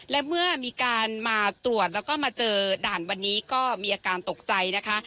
และเมื่อมีการมาตรวจแล้วก็มาเจอด่านวันนี้ก็มีอาการตกใจนะคะ